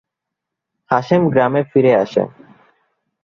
হাশেম গ্রামে ফিরে আসে।